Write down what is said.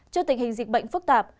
trước tình hình dịch bệnh phức tạp